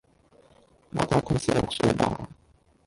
我大約是六歲吧